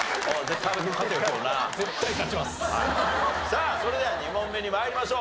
さあそれでは２問目に参りましょう。